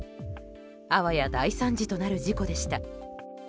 あわや大惨事となる事故でした。